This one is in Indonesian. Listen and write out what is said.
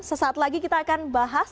sesaat lagi kita akan bahas